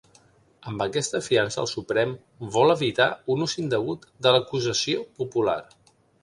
Amb aquesta fiança, el Suprem vol evitar un ús indegut de l’acusació popular.